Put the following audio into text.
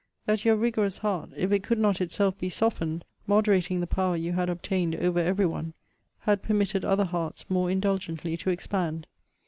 That your rigorous heart, if it could not itself be softened (moderating the power you had obtained over every one) had permitted other hearts more indulgently to expand!